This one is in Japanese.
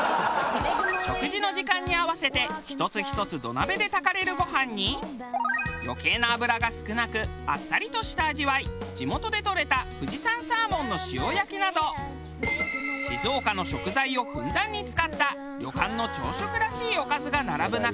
食事の時間に合わせて１つ１つ土鍋で炊かれるご飯に余計な脂が少なくあっさりとした味わい地元でとれた富士山サーモンの塩焼きなど静岡の食材をふんだんに使った旅館の朝食らしいおかずが並ぶ中。